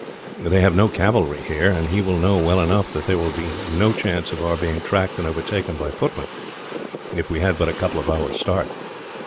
They have no cavalry here, and he will know, well enough, that there will be no chance of our being tracked and overtaken by footmen, if we had but a couple of hours' start."